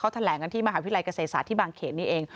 แถลงกันที่มหาวิทยาลัยเกษตรศาสตร์ที่บางเขตนี่เอง